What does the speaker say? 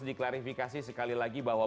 diklarifikasi sekali lagi bahwa